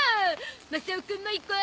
マサオくんも行こう！